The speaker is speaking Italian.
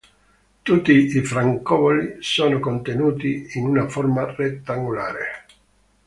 Tutti i francobolli sono contenuti in una forma rettangolare.